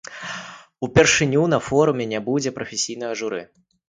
Упершыню на форуме не будзе прафесійнага журы.